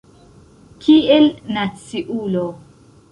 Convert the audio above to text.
Kiel naciulo.